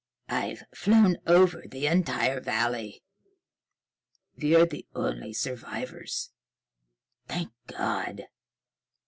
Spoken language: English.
"I've flown over the entire valley. We're the only survivors thank God!"